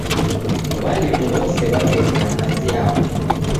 W'alimu w'ose w'ameria kazi yaw'o